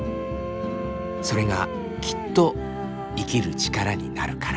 それがきっと生きる力になるから。